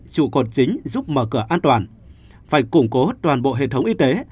trụ cột chính giúp mở cửa an toàn phải củng cố toàn bộ hệ thống y tế